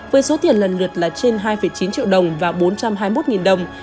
với số tiền lần lượt là trên hai chín triệu đồng và bốn trăm hai mươi một đồng